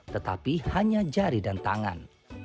tetapi hanya jari dan tangan